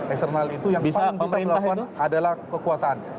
eksternal itu yang paling diperlakukan adalah kekuasaan